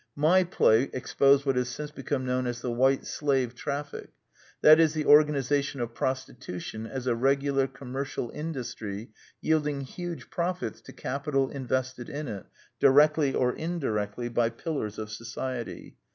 My play exposed what has since become known as the White Slave Traffic: that is, the organization of prostitution as a regular commercial in dustry yielding huge profits to capital invested in it, directly or in directly, by "pillars of society."